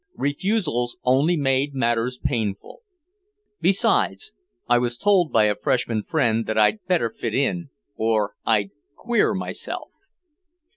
Refusals only made matters painful. Besides, I was told by a freshman friend that I'd better fit in or I'd "queer" myself.